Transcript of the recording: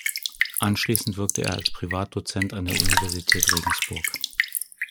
Anschließend wirkte er als Privatdozent an der Universität Regensburg.